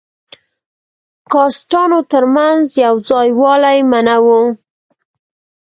کاسټانو تر منځ یو ځای والی منع وو.